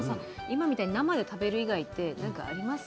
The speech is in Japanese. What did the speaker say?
今みたいに生で食べる以外って何かあります？